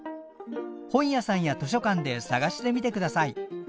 本屋さんや図書館で探してみてください。